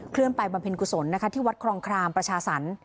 เคลื่อนไปบำเพ็ญกุศลศพที่วัดคลองคลามประชาสรรฯ